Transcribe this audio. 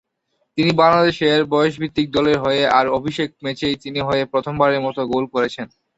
তিনি বাংলাদেশের বয়সভিত্তিক দলের হয়ে তার অভিষেক ম্যাচেই তিনি হয়ে প্রথমবারের মতো গোল করেছেন।